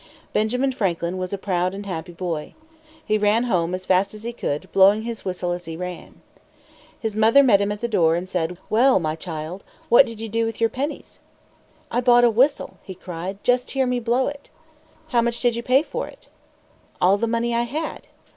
Benjamin Franklin was a proud and happy boy. He ran home as fast as he could, blowing his whistle as he ran. His mother met him at the door and said, "Well, my child, what did you do with your pennies?" "I bought a whistle!" he cried. "Just hear me blow it!" "How much did you pay for it?" "All the money I had."